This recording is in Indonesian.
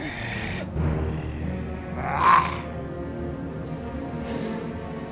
kita berdua sama sama dendam